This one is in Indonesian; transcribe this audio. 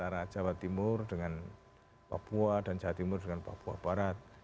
antara jawa timur dengan papua dan jawa timur dengan papua barat